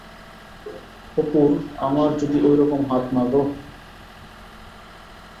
অপুর আমার যদি ওইরকম হাত-মাগো!